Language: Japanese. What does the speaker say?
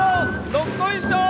どっこいしょー